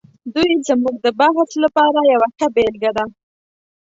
دی زموږ د بحث لپاره یوه ښه بېلګه ده.